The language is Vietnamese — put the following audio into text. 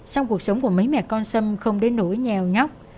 xong cuộc sống của mấy mẹ con xâm không đến nỗi nhèo nhóc